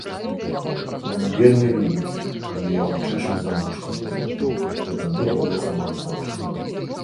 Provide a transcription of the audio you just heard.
Ён вельмі любіць, калі яго чэшуць за вушкам, і тады голасна варкоча.